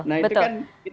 nah itu kan